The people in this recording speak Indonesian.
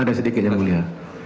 ada sedikit yang mulia